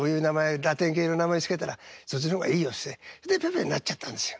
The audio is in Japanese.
ラテン系の名前付けたらそっち方がいいよっつってで「ペペ」になっちゃったんですよ。